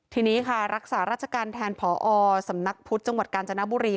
ทีนี้ค่ะรักษาราชการแทนผอสำนักพุทธจังหวัดกาญจนบุรี